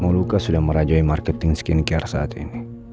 mau luka sudah merajai marketing skincare saat ini